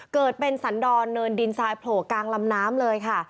เกิดเป็นสันดรเนินดินทรายโผล่กลางลำน้ำเลยค่ะ